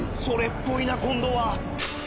それっぽいな今度は。